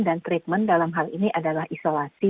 dan treatment dalam hal ini adalah isolasi